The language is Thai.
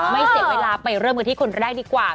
ไม่เสียเวลาไปเริ่มกันที่คนแรกดีกว่า